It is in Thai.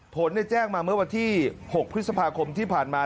ผลแจ้งมาเมื่อวันที่๖พฤษภาคมที่ผ่านมา